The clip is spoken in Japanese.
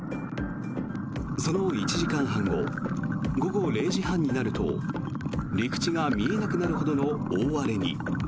その１時間半後午後０時半になると陸地が見えなくなるほどの大荒れに。